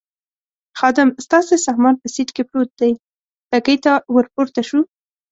خادم: ستاسې سامان په سېټ کې پروت دی، بګۍ ته ور پورته شوو.